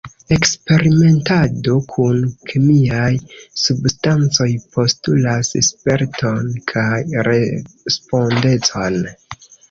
Eksperimentado kun kemiaj substancoj postulas sperton kaj respondecon.